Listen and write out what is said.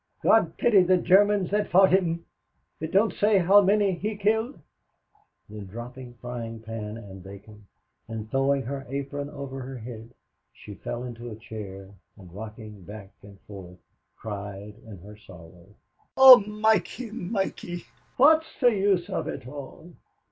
"God pity the Germans that fought him. It don't say how many he killed?" Then, dropping frying pan and bacon, and throwing her apron over her head, she fell into a chair and rocking back and forth, cried in her sorrow: "O Mikey, Mikey! What's the use of it all?